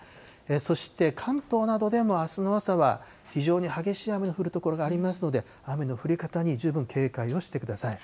そして、関東などでもあすの朝は非常に激しい雨の降る所がありますので、雨の降り方に十分警戒をしてください。